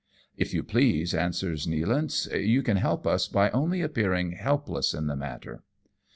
" If you please," answers Nealance, " you can help us by only appearing helpless in the matter."